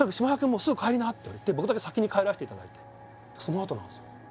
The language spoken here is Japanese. もうすぐ帰りな」って言われて僕だけ先に帰らしていただいてそのあとなんすよ